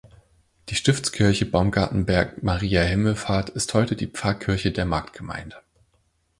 Die Stiftskirche Baumgartenberg Mariä Himmelfahrt ist heute die Pfarrkirche der Marktgemeinde.